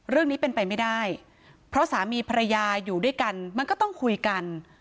เรื่องนี้เป็นไปไม่ได้เพราะสามีภรรยาอยู่ด้วยกันมันก็ต้องคุยกัน